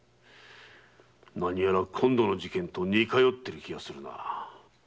なにやら今度の事件と似通っている気がするな。